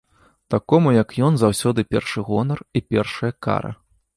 Такому, як ён, заўсёды першы гонар і першая кара.